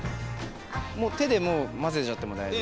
手でもう混ぜちゃっても大丈夫。